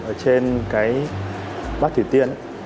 ở trên cái bát thủy tiên